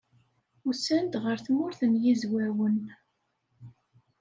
Usan-d ɣer Tmurt n Yizwawen.